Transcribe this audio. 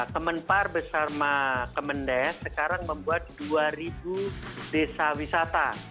kemenpar besarma kemendes sekarang membuat dua ribu desa wisata